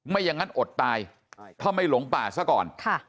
ไม่อย่างนั้นอดตายถ้าไม่หลงป่าซะก่อน